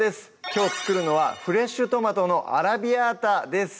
きょう作るのは「フレッシュトマトのアラビアータ」です